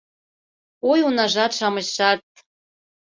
— Ой, унажат-шамычшат